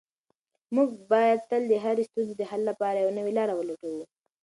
موږ باید تل د هرې ستونزې د حل لپاره یوه نوې لاره ولټوو.